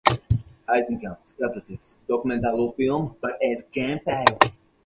Aizmigām, skatoties dokumentālo filmu par Edu Kemperu.